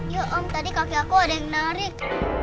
ya om tadi kaki aku ada yang menarik